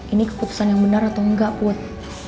ini keputusan yang benar atau enggak put